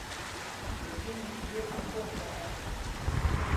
Le vieux monsieur accourt vers elle.